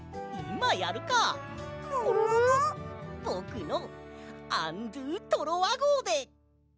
ぼくのアン・ドゥ・トロワごうで！